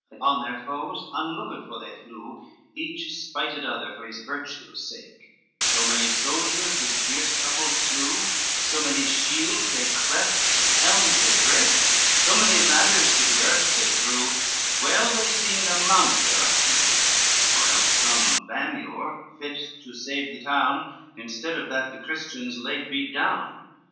LXIV Upon their foes unlooked for they flew, Each spited other for his virtue's sake, So many soldiers this fierce couple slew, So many shields they cleft and helms they break, So many ladders to the earth they threw, That well they seemed a mount thereof to make, Or else some vamure fit to save the town, Instead of that the Christians late beat down.